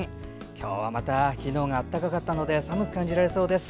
今日はまた昨日が暖かかったので寒く感じられそうです。